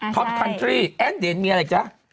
ท็อปคันตรีและเดี๋ยวมีอะไรจ๊ะ